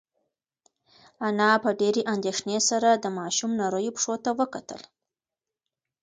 انا په ډېرې اندېښنې سره د ماشوم نریو پښو ته وکتل.